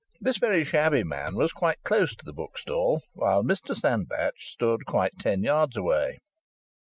This very shabby man was quite close to the bookstall, while Mr Sandbach stood quite ten yards away.